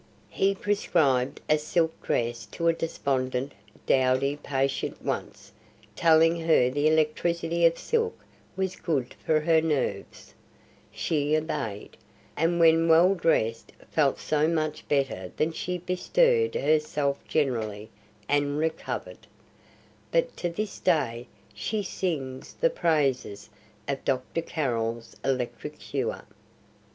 He prescribed a silk dress to a despondent, dowdy patient once, telling her the electricity of silk was good for her nerves: she obeyed, and when well dressed felt so much better that she bestirred herself generally and recovered; but to this day she sings the praises of Dr. Carrol's electric cure."